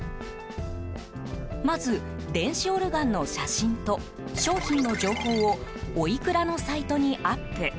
まず、電子オルガンの写真と商品の情報をおいくらのサイトにアップ。